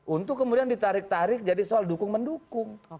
untuk kemudian ditarik tarik jadi soal dukung mendukung